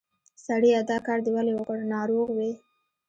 سړیه! دا کار دې ولې وکړ؟ ناروغ وې؟